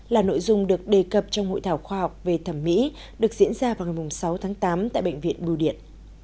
là nội dung được đề cập trong hội thảo khoa học về thẩm mỹ được diễn ra vào ngày sáu tháng tám tại bệnh viện bưu điện